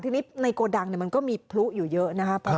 ทีนี้ในโกดังมันก็มีพลุอยู่เยอะนะครับ